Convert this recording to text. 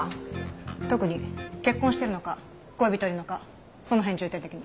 特に結婚してるのか恋人いるのかその辺重点的に。